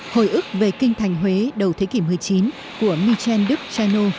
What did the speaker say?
hồi ức về kinh thành huế đầu thế kỷ một mươi chín của michel duchesneau